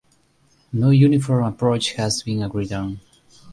No uniform approach has been agreed on.